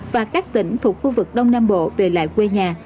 và các tỉnh thuộc khu vực đông nam bộ về lại quê nhà